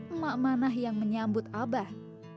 emak manah yang menyambut abah